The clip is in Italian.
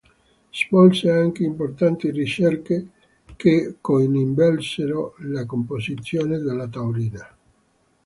Svolse anche importanti ricerche che coinvolsero la composizione della taurina.